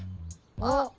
あっ。